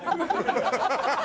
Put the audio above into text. ハハハハ！